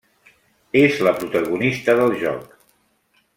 És la protagonista del joc.